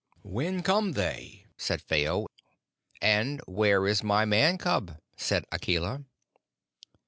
"When come they?" said Phao. "And where is my Man cub?" said Akela.